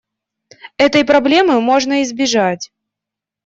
Этой проблемы можно избежать.